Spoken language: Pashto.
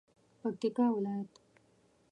پکتیکا ولایت